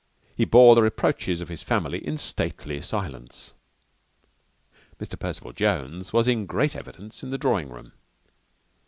He bore the reproaches of his family in stately silence. Mr. Percival Jones was in great evidence in the drawing room.